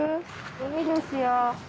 海ですよ。